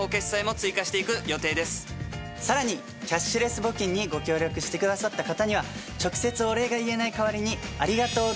さらにキャッシュレス募金にご協力してくださった方には直接お礼が言えない代わりに。